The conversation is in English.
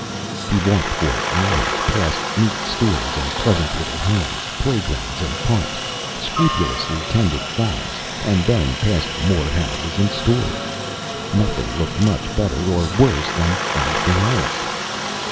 He walked for hours, past neat stores and pleasant little homes, playgrounds and parks, scrupulously tended farms, and then past more houses and stores. Nothing looked much better or worse than anything else.